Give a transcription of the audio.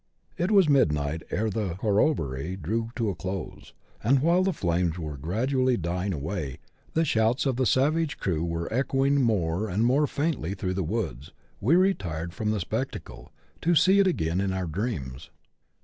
It was midnight ere the corrobory drew to a close; and while the flames were gradually dying away, and the shouts of the savage crew were echoing more and more faintly through the woods, we retired from the spec tacle, to see it again in our dreams.